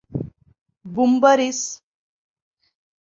Бумбарис!